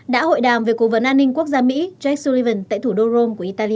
đã hội đàm về cố vấn an ninh quốc gia mỹ jake sullivan tại thủ đô rome của italia